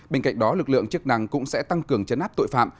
bên cạnh đó lực lượng chức năng cũng sẽ tăng cường chấn áp tội phạm